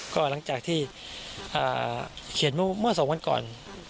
ก็หลังจากที่เขียนเมื่อ๒วันก่อน